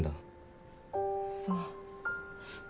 そう。